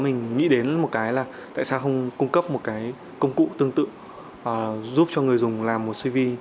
mình nghĩ đến một cái là tại sao không cung cấp một cái công cụ tương tự giúp cho người dùng làm một cv